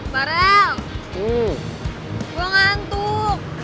bareng gue ngantuk